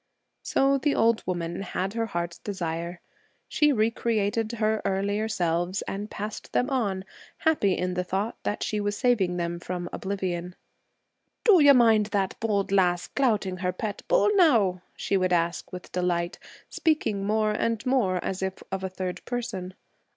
So the old woman had her heart's desire. She re created her earlier selves and passed them on, happy in the thought that she was saving them from oblivion. 'Do you mind that bold lass clouting her pet bull, now?' she would ask, with delight, speaking more and more as if of a third person.